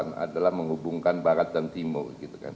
keterbatasan adalah menghubungkan barat dan timur